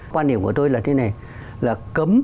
quan điểm của tôi là thế này là cấm